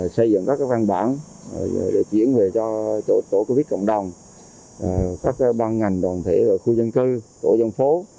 xây dựng các văn bản để chuyển về cho tổ covid cộng đồng các ban ngành đoàn thể khu dân cư tổ dân phố